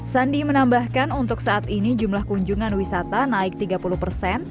sandi menambahkan untuk saat ini jumlah kunjungan wisata naik tiga puluh persen